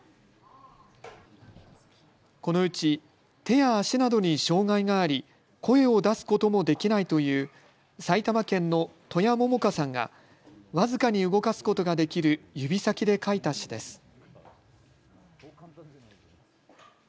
このうち、手や足などに障害があり声を出すこともできないという埼玉県の戸谷百花さんが僅かに動かすことができる指先で書いた詩です。